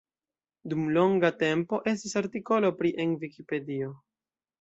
Dum longa tempo estis artikolo pri en Vikipedio.